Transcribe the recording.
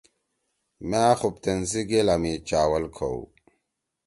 مأ خُوبتین سی گیلا می چاول کھؤ۔